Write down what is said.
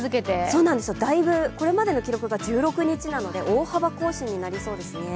そうなんですよ、だいぶ、これまでの記録が１６日なので大幅更新になりそうですね。